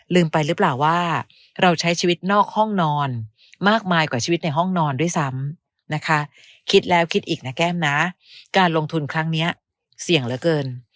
ไปหรือเปล่าว่าเราใช้ชีวิตนอกห้องนอนมากมายกว่าชีวิตในห้องนอนด้วยซ้ำนะคะคิดแล้วคิดอีกนะแก้มนะการลงทุนครั้งนี้เสี่ยงเหลือเกิน